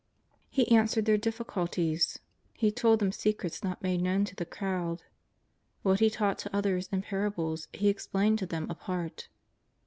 He answered their difficulties. JESUS OF NAZAEETH. 191 He told them secrets not made kno^vn to the crowd. What He taught to others in parables He explained to them apart.